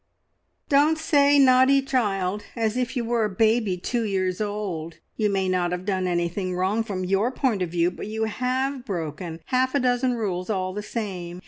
"Don't say `naughty,' child, as if you were a baby two years old! You may not have done anything wrong from your point of view, but you have broken half a dozen rules all the same.